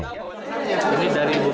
yang punya jemaah masing masing